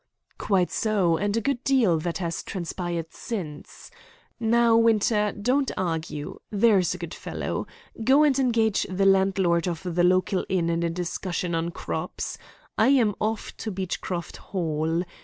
"Quite so, and a good deal that has transpired since. Now. Winter, don't argue, there's a good fellow. Go and engage the landlord of the local inn in a discussion on crops. I am off to Beechcroft Hall.